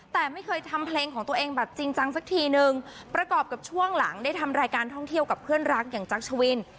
แต่ไม่เคยทำเพลงของตัวเองแบบจริงจังสักทีนึงประกอบกับช่วงหลังได้ทำรายการท่องเที่ยวกับเพื่อนรักอย่างจักรชวิน